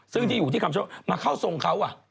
ซึ่งที่อยู่ที่คำโชคมาเข้าทรงเขา